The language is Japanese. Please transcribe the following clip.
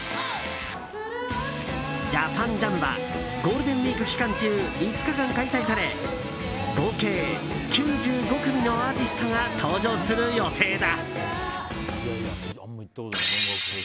ＪＡＰＡＮＪＡＭはゴールデンウィーク期間中５日間開催され、合計９５組のアーティストが登場する予定だ。